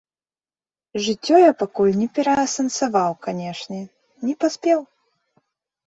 Жыццё я пакуль не пераасэнсаваў, канечне, не паспеў.